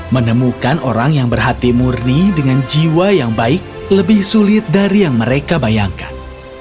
menemukan orang yang berhati murni dengan jiwa yang baik lebih sulit dari yang mereka bayangkan